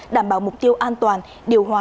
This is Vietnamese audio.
đảm bảo mục tiêu an toàn điều hòa